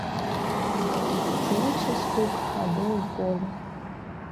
Чуўся стук хады ў полі.